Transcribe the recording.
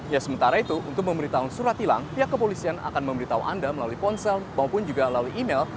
ya sementara itu untuk memberitahu surat hilang pihak kepolisian akan memberitahu anda melalui ponsel maupun juga melalui email